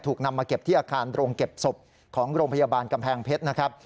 นำมาเก็บที่อาคารโรงเก็บศพของโรงพยาบาลกำแพงเพชรนะครับ